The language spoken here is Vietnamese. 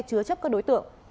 hứa chấp các đối tượng